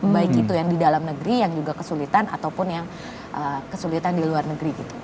baik itu yang di dalam negeri yang juga kesulitan ataupun yang kesulitan di luar negeri gitu